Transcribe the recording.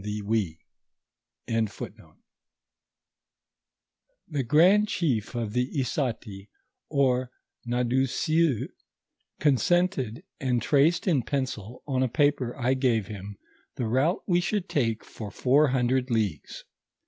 * The grand chief of the Issati, or Nadouessiouz, consented, and traced in pencil on a paper I gave him, the route we should take for four hundred leagues.